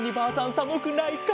さむくないか？